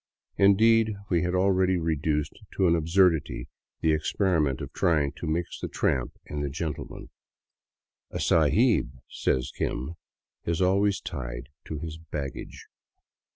Indeed, we had already reduced to an absurdity the ex periment of trying to mix the tramp and the gentleman. " A sahib," said Kim, " is always tied to his baggage."